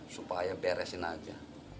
supaya beresin aja